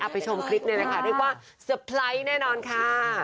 อ่ะไปชมคลิปนี้นะคะเรียกว่าแน่นอนค่ะ